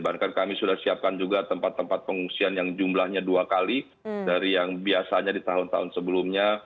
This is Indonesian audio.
bahkan kami sudah siapkan juga tempat tempat pengungsian yang jumlahnya dua kali dari yang biasanya di tahun tahun sebelumnya